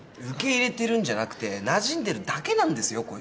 受け入れてるんじゃなくてなじんでるだけなんですよ